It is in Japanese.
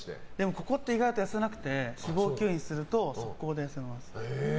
ここって意外と痩せなくて脂肪吸引すると速攻で痩せます。